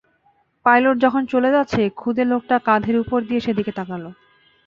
Pilot যখন চলে যাচ্ছে, খুদে লোকটা কাঁধের ওপর দিয়ে সেদিকে তাকাল।